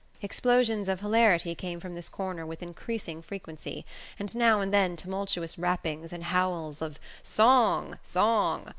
Explosions of hilarity came from this corner with increasing frequency, and now and then tumultuous rappings and howls of "Song! Song!"